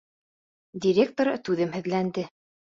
Директор түҙемһеҙләнде.